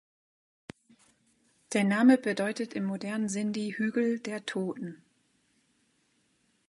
Der Name bedeutet im modernen Sindhi „Hügel der Toten“.